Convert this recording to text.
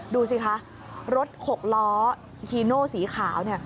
ดูสิคะรถหกล้อฮีโนสีขาว